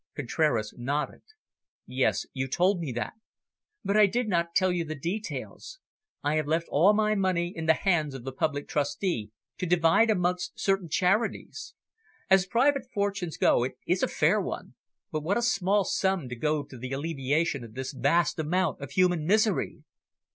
Contraras nodded. "Yes, you told me that." "But I did not tell you the details. I have left all my money in the hands of the Public Trustee, to divide amongst certain charities. As private fortunes go, it is a fair one but what a small sum to go to the alleviation of this vast amount of human misery!"